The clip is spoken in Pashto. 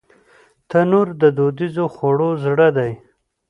تنور د دودیزو خوړو زړه دی